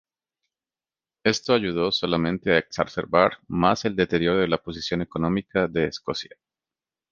Esto ayudó solamente a exacerbar más el deterioro de la posición económica de Escocia.